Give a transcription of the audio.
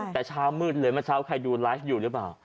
แต่เช้ามืดเลยเมื่อเช้าใครดูไลฟ์อยู่หรือเปล่า